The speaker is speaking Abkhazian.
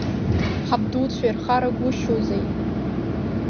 Ҳабдуцәа ирхарагәышьоузеи.